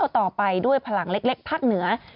ต่อไปด้วยพลังเล็กภาคเหนือ